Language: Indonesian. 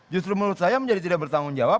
justru menurut saya menjadi tidak bertanggung jawab